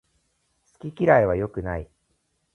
好き嫌いは良くない